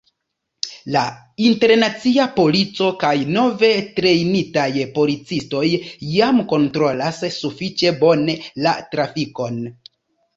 La internacia polico kaj nove trejnitaj policistoj jam kontrolas sufiĉe bone la trafikon.